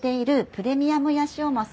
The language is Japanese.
プレミアムヤシオマス？